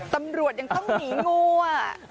ตำรวจยังต้องหนีงูอ่ะ